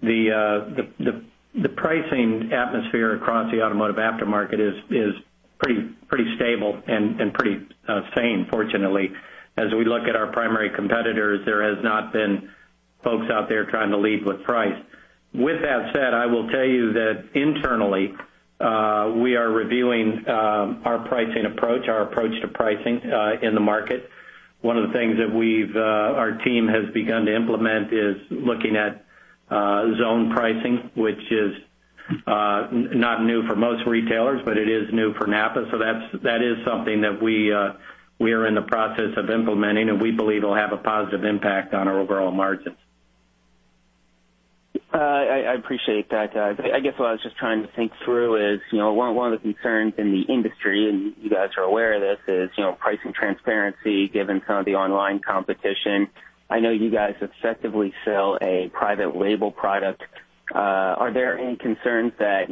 the pricing atmosphere across the automotive aftermarket is pretty stable and pretty sane, fortunately. As we look at our primary competitors, there has not been folks out there trying to lead with price. With that said, I will tell you that internally, we are reviewing our pricing approach, our approach to pricing in the market. One of the things that our team has begun to implement is looking at zone pricing, which is not new for most retailers, but it is new for NAPA. That is something that we are in the process of implementing, and we believe will have a positive impact on our overall margins.
I appreciate that. I guess what I was just trying to think through is, one of the concerns in the industry, and you guys are aware of this, is pricing transparency, given some of the online competition. I know you guys effectively sell a private label product. Are there any concerns that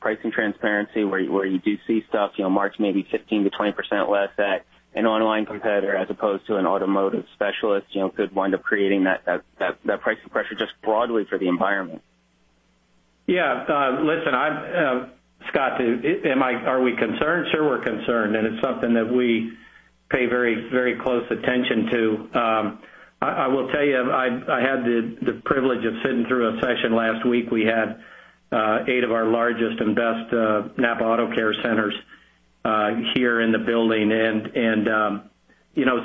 pricing transparency where you do see stuff marked maybe 15%-20% less at an online competitor as opposed to an automotive specialist, could wind up creating that pricing pressure just broadly for the environment?
Yeah. Listen, Scot, are we concerned? Sure, we're concerned, and it's something that we pay very close attention to. I will tell you, I had the privilege of sitting through a session last week. We had eight of our largest and best NAPA AutoCare Centers here in the building, and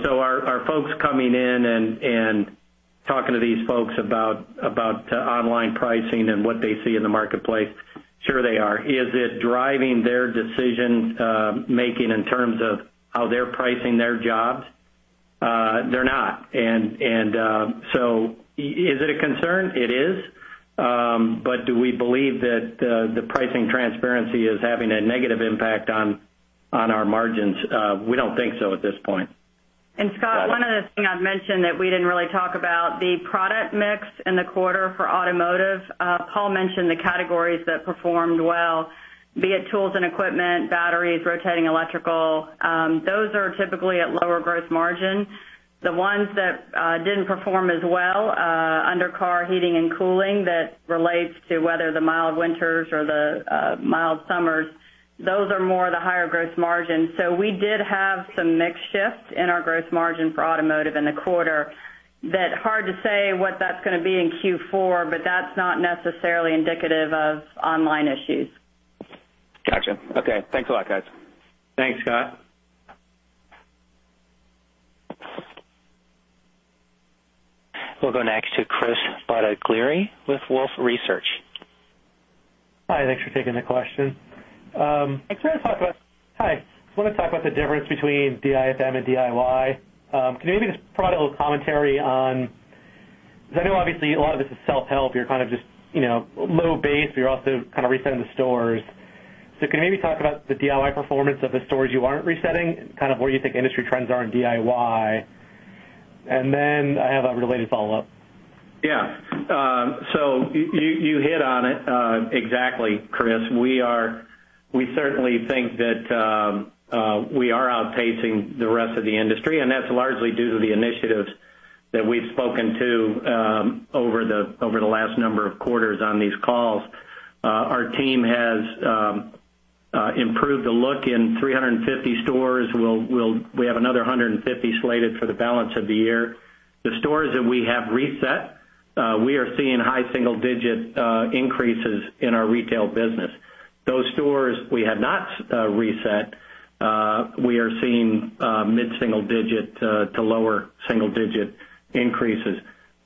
so are folks coming in and talking to these folks about online pricing and what they see in the marketplace? Sure they are. Is it driving their decision-making in terms of how they're pricing their jobs? They're not. Is it a concern? It is. Do we believe that the pricing transparency is having a negative impact on our margins? We don't think so at this point.
Scot, one other thing I'd mention that we didn't really talk about, the product mix in the quarter for automotive. Paul mentioned the categories that performed well, be it tools and equipment, batteries, rotating electrical. Those are typically at lower gross margin. The ones that didn't perform as well, under car heating and cooling, that relates to whether the mild winters or the mild summers, those are more the higher gross margin. We did have some mix shift in our gross margin for automotive in the quarter, that hard to say what that's going to be in Q4, that's not necessarily indicative of online issues.
Gotcha. Okay. Thanks a lot, guys.
Thanks, Scot.
We'll go next to Christopher Badaglioli with Wolfe Research.
Hi, thanks for taking the question. I just want to talk about the difference between DIFM and DIY. Can you maybe just provide a little commentary on because I know obviously a lot of this is self-help. You're kind of just low base. You're also kind of resetting the stores. Can you maybe talk about the DIY performance of the stores you aren't resetting, kind of where you think industry trends are in DIY? I have a related follow-up.
Yeah. You hit on it exactly, Chris. We certainly think that we are outpacing the rest of the industry, and that's largely due to the initiatives that we've spoken to over the last number of quarters on these calls. Our team has improved the look in 350 stores. We have another 150 slated for the balance of the year. The stores that we have reset, we are seeing high single-digit increases in our retail business. Those stores we have not reset, we are seeing mid-single digit to lower single-digit increases.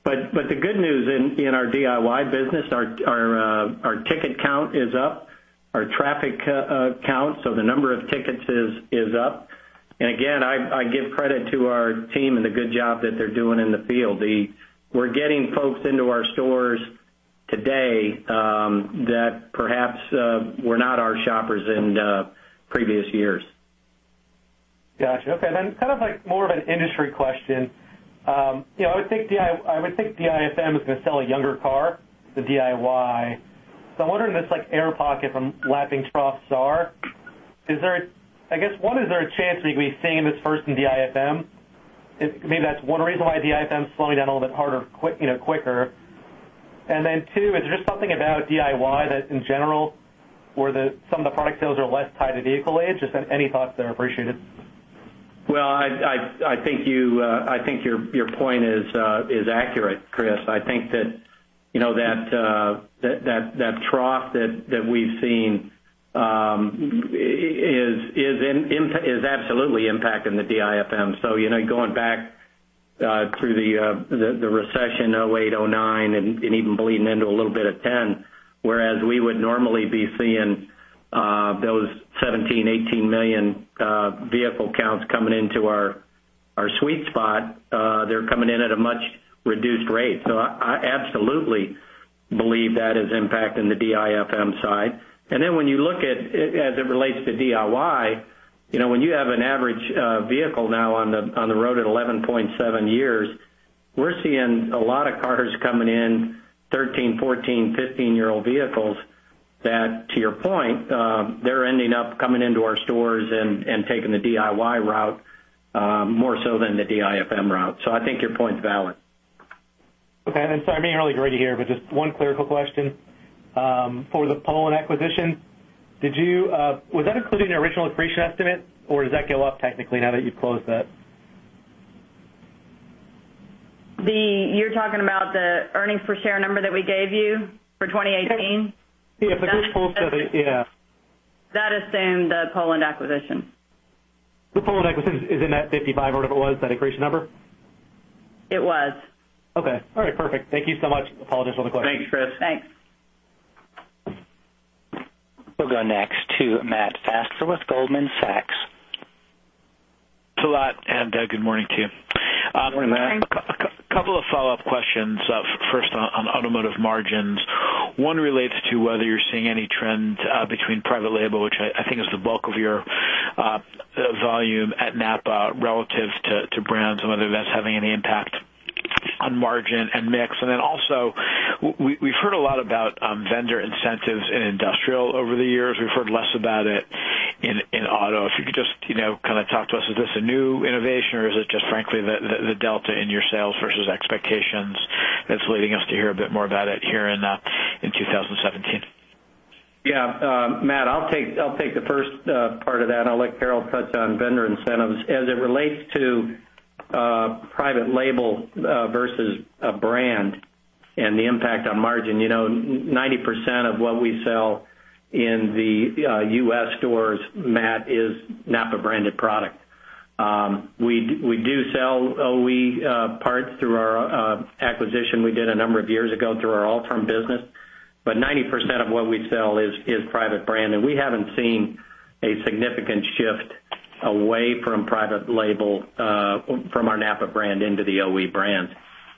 The good news in our DIY business, our ticket count is up, our traffic count, so the number of tickets is up. Again, I give credit to our team and the good job that they're doing in the field. We're getting folks into our stores today that perhaps were not our shoppers in previous years.
Got you. Kind of more of an industry question. I would think DIFM is going to sell a younger car, the DIY. I'm wondering this air pocket from lapping troughs are, I guess, one, is there a chance we could be seeing this first in DIFM? Maybe that's one reason why DIFM is slowing down a little bit quicker. Two, is there just something about DIY that in general, where some of the product sales are less tied to vehicle age? Just any thoughts there are appreciated.
I think your point is accurate, Chris. I think that trough that we've seen is absolutely impacting the DIFM. Going back through the recession '08, '09, and even bleeding into a little bit of '10, whereas we would normally be seeing those 17, 18 million vehicle counts coming into our sweet spot, they're coming in at a much reduced rate. I absolutely believe that is impacting the DIFM side. When you look at, as it relates to DIY, when you have an average vehicle now on the road at 11.7 years, we're seeing a lot of cars coming in, 13, 14, 15-year-old vehicles, that to your point, they're ending up coming into our stores and taking the DIY route more so than the DIFM route. I think your point's valid.
Sorry, I may not read it here, but just one clerical question. For the Poland acquisition, was that included in the original accretion estimate, or does that go up technically now that you've closed that?
You're talking about the earnings per share number that we gave you for 2018?
Yeah.
That is in the Poland acquisition.
The Poland acquisition is in that 55 or whatever it was, that accretion number?
It was.
Okay. All right, perfect. Thank you so much. Apologize for the question.
Thanks, Chris.
Thanks.
We'll go next to Matt Fassler with Goldman Sachs.
Good morning to you.
Morning, Matt.
Morning.
A couple of follow-up questions. First on automotive margins. One relates to whether you're seeing any trends between private label, which I think is the bulk of your volume at NAPA relative to brands and whether that's having any impact on margin and mix. Also, we've heard a lot about vendor incentives in industrial over the years. We've heard less about it in auto. If you could just kind of talk to us, is this a new innovation, or is it just frankly the delta in your sales versus expectations that's leading us to hear a bit more about it here in 2017?
Yeah. Matt, I'll take the first part of that, and I'll let Carol touch on vendor incentives. As it relates to private label versus a brand and the impact on margin, 90% of what we sell in the U.S. stores, Matt, is NAPA-branded product. We do sell OE parts through our acquisition we did a number of years ago through our Altrom business, but 90% of what we sell is private brand, and we haven't seen a significant shift away from private label from our NAPA brand into the OE brands.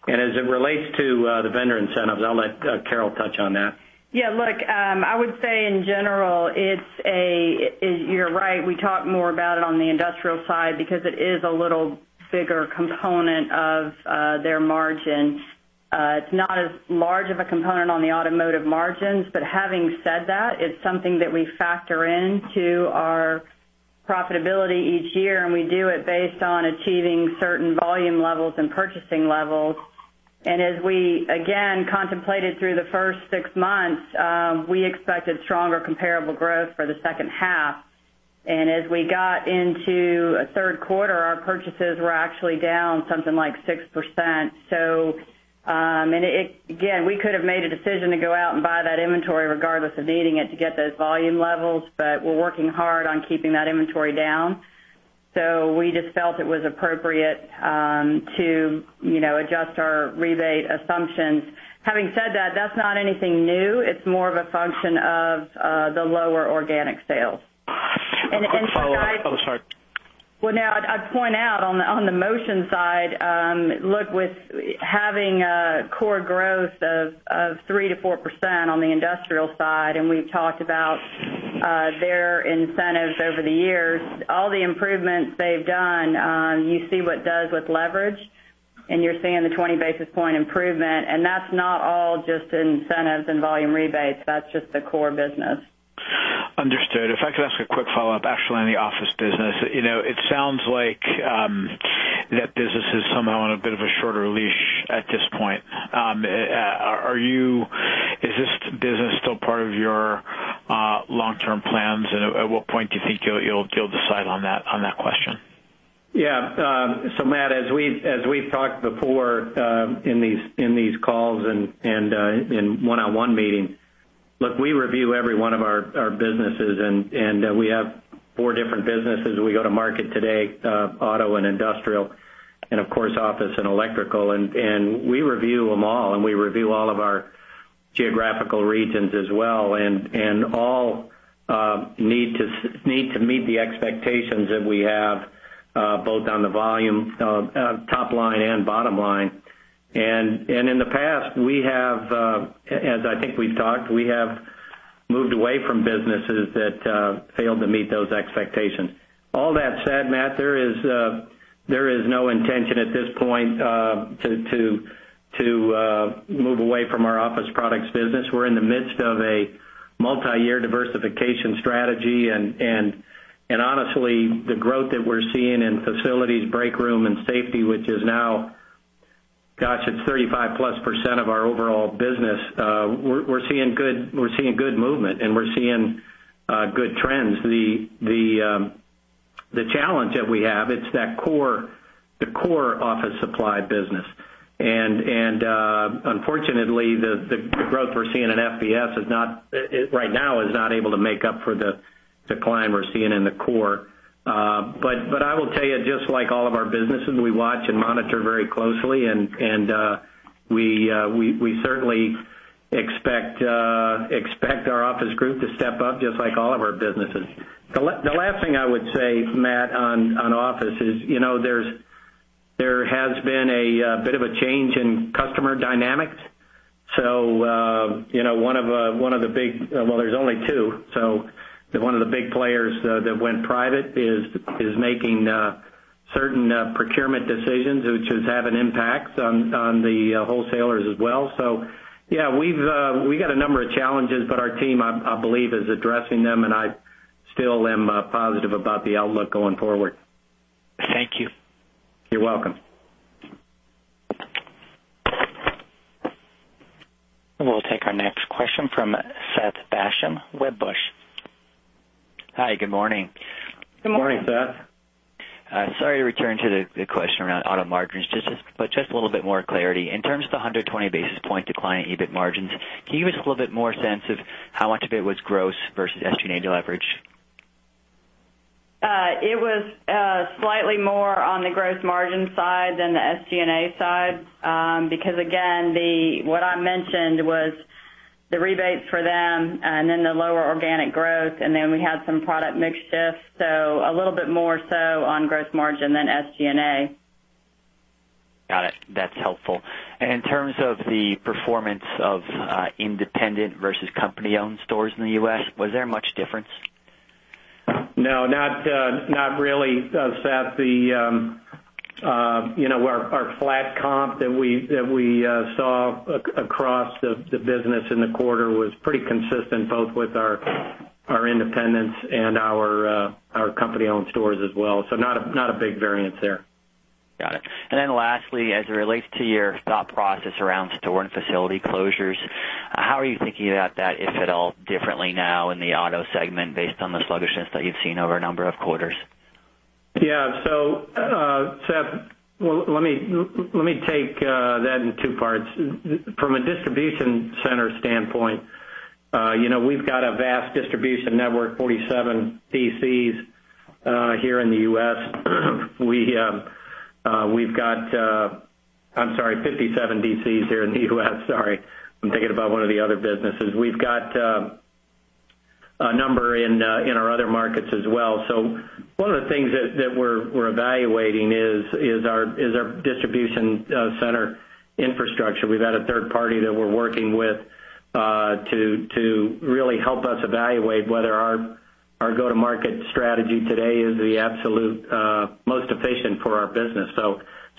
As it relates to the vendor incentives, I'll let Carol touch on that.
Yeah, look, I would say in general, you're right, we talk more about it on the industrial side because it is a little bigger component of their margin. It's not as large of a component on the automotive margins. Having said that, it's something that we factor into our profitability each year, and we do it based on achieving certain volume levels and purchasing levels. As we, again, contemplated through the first six months, we expected stronger comparable growth for the second half. As we got into third quarter, our purchases were actually down something like 6%. Again, we could have made a decision to go out and buy that inventory regardless of needing it to get those volume levels, we're working hard on keeping that inventory down. We just felt it was appropriate to adjust our rebate assumptions. Having said that's not anything new. It's more of a function of the lower organic sales.
A quick follow-up. Oh, sorry.
Now I'd point out on the Motion side, look, with having a core growth of 3%-4% on the industrial side, we've talked about their incentives over the years, all the improvements they've done, you see what it does with leverage, you're seeing the 20 basis point improvement, that's not all just incentives and volume rebates. That's just the core business.
Understood. If I could ask a quick follow-up, actually, on the office business. It sounds like that business is somehow on a bit of a shorter leash at this point. Is this business still part of your long-term plans, and at what point do you think you'll decide on that question?
Yeah. Matt, as we've talked before in these calls and in one-on-one meetings, look, we review every one of our businesses, and we have four different businesses we go to market today: auto and industrial, and of course, office and electrical. We review them all, and we review all of our geographical regions as well, and all need to meet the expectations that we have both on the volume, top line, and bottom line. In the past, as I think we've talked, we have moved away from businesses that failed to meet those expectations. All that said, Matt, there is no intention at this point to move away from our office products business. We're in the midst of a multi-year diversification strategy, and honestly, the growth that we're seeing in facilities, breakroom, and safety, which is now, gosh, it's 35+% of our overall business. We're seeing good movement, and we're seeing good trends. The challenge that we have, it's the core office supply business. Unfortunately, the growth we're seeing in FBS right now is not able to make up for the decline we're seeing in the core. I will tell you, just like all of our businesses, we watch and monitor very closely, and we certainly expect our office group to step up just like all of our businesses. The last thing I would say, Matt, on office is there has been a bit of a change in customer dynamics. One of the big players that went private is making certain procurement decisions, which has had an impact on the wholesalers as well. Yeah, we've got a number of challenges, but our team, I believe, is addressing them, and I still am positive about the outlook going forward.
Thank you.
You're welcome.
We'll take our next question from Seth Basham, Wedbush.
Hi, good morning.
Good morning, Seth.
Sorry to return to the question around auto margins, just a little bit more clarity. In terms of the 120 basis point decline in EBIT margins, can you give us a little bit more sense of how much of it was gross versus SG&A leverage?
It was slightly more on the gross margin side than the SG&A side. Again, what I mentioned was the rebates for them and then the lower organic growth, then we had some product mix shifts, a little bit more so on gross margin than SG&A.
Got it. That's helpful. In terms of the performance of independent versus company-owned stores in the U.S., was there much difference?
No, not really, Seth. Our flat comp that we saw across the business in the quarter was pretty consistent both with our independents and our company-owned stores as well. Not a big variance there.
Got it. Lastly, as it relates to your thought process around store and facility closures, how are you thinking about that, if at all, differently now in the auto segment based on the sluggishness that you've seen over a number of quarters?
Seth, let me take that in two parts. From a distribution center standpoint, we've got a vast distribution network, 47 DCs here in the U.S. I'm sorry, 57 DCs here in the U.S. Sorry. I'm thinking about one of the other businesses. We've got a number in our other markets as well. One of the things that we're evaluating is our distribution center infrastructure. We've got a third party that we're working with to really help us evaluate whether our go-to-market strategy today is the absolute most efficient for our business.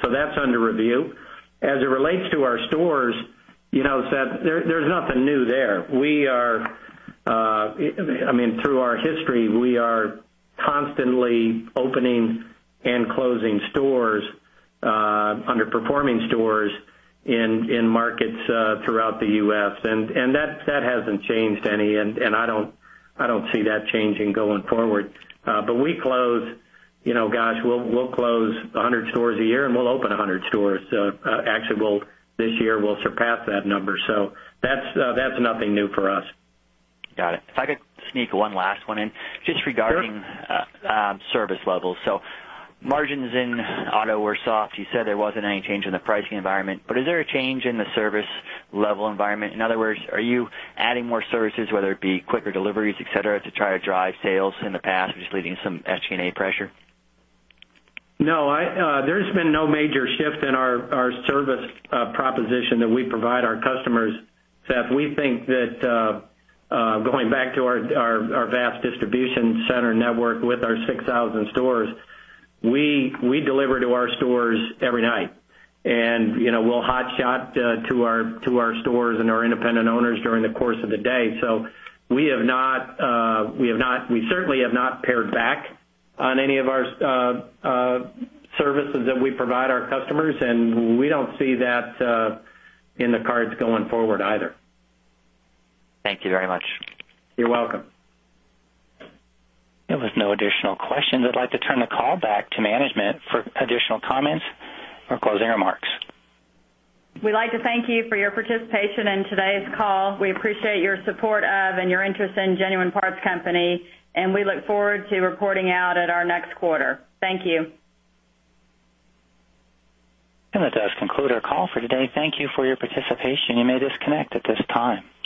That's under review. As it relates to our stores, Seth, there's nothing new there. Through our history, we are constantly opening and closing underperforming stores in markets throughout the U.S., that hasn't changed any, I don't see that changing going forward. Gosh, we'll close 100 stores a year, we'll open 100 stores. Actually, this year, we'll surpass that number. That's nothing new for us.
Got it. If I could sneak one last one in.
Sure.
Just regarding service levels. Margins in auto were soft. You said there wasn't any change in the pricing environment, but is there a change in the service level environment? In other words, are you adding more services, whether it be quicker deliveries, et cetera, to try to drive sales in the past, which is leading to some SG&A pressure?
No, there's been no major shift in our service proposition that we provide our customers. Seth, we think that going back to our vast distribution center network with our 6,000 stores, we deliver to our stores every night. We'll hot shot to our stores and our independent owners during the course of the day. We certainly have not pared back on any of our services that we provide our customers, and we don't see that in the cards going forward either.
Thank you very much.
You're welcome.
There were no additional questions. I'd like to turn the call back to management for additional comments or closing remarks.
We'd like to thank you for your participation in today's call. We appreciate your support of and your interest in Genuine Parts Company, we look forward to reporting out at our next quarter. Thank you.
That does conclude our call for today. Thank you for your participation. You may disconnect at this time.